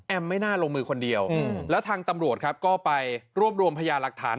ไม่น่าลงมือคนเดียวแล้วทางตำรวจครับก็ไปรวบรวมพยาหลักฐาน